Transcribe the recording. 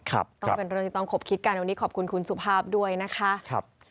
ต้องเป็นเรื่องที่ต้องขบคิดกันวันนี้ขอบคุณคุณสุภาพด้วยนะคะครับ